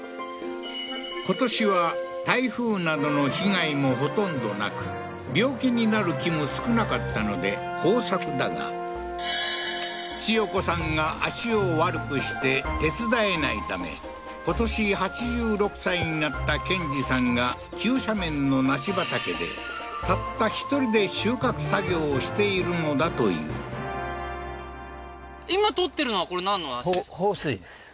今年は台風などの被害もほとんどなく病気になる木も少なかったので豊作だが千代子さんが足を悪くして手伝えないため今年８６歳になった建治さんが急斜面の梨畑でたった１人で収穫作業をしているのだというこれなんの梨ですか？